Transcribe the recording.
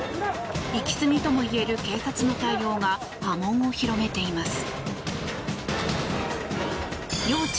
行き過ぎともいえる警察の対応が波紋を広げています。